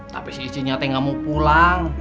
tapi si ijenya teh gak mau pulang